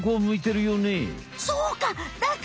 そうか！